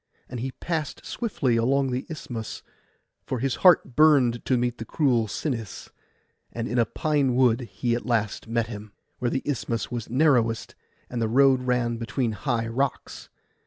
And he past swiftly along the Isthmus, for his heart burned to meet that cruel Sinis; and in a pine wood at last he met him, where the Isthmus was narrowest and the road ran between high rocks.